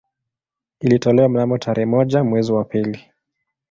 Ilitolewa mnamo tarehe moja mwezi wa pili